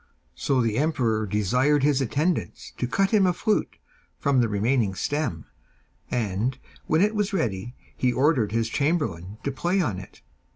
So the emperor desired his attendants to cut him a flute from the remaining stem, and, when it was ready, he ordered his chamberlain to play on it.